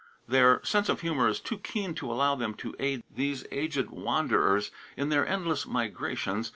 Their sense of humor is too keen to allow them to aid these aged wanderers in their endless migrations.